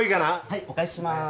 はいお返しします。